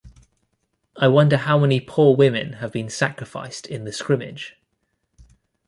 I wonder how many poor women have been sacrificed in the scrimmage?